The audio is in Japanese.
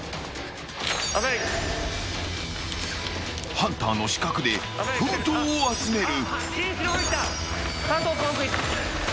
［ハンターの死角で封筒を集める］